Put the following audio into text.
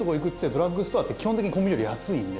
ドラッグストアって基本的にコンビニより安いんで。